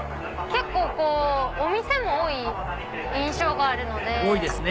結構お店も多い印象があるので。